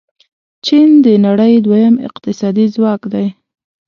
چین د نړۍ دویم اقتصادي ځواک دی.